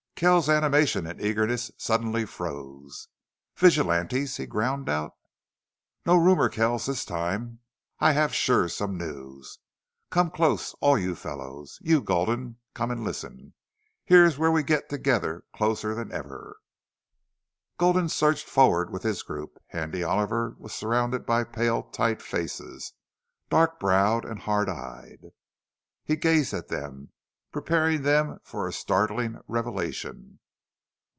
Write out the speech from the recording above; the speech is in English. Kells's animation and eagerness suddenly froze. "VIGILANTES!" he ground out. "No rumor, Kells, this time. I've sure some news.... Come close, all you fellows. You, Gulden, come an' listen. Here's where we git together closer'n ever." Gulden surged forward with his group. Handy Oliver was surrounded by pale, tight faces, dark browed and hardeyed. He gazed at them, preparing them for a startling revelation.